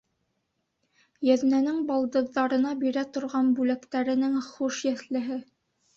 Еҙнәнең балдыҙҙарына бирә торған бүләктәренең хуш еҫлеһе.